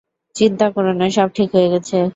চিন্তা করো না সব ঠিক হয়ে গেছে।